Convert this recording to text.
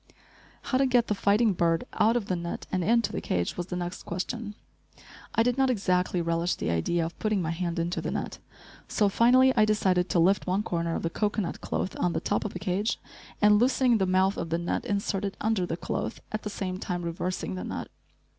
How to get the fighting little bird out of the net and into the cage was the next question. I did not exactly relish the idea of putting my hand into the net, so finally I decided to lift one corner of the cocoanut cloth on the top of the cage, and, loosening the mouth of the net, insert it under the cloth, at the same time reversing the net.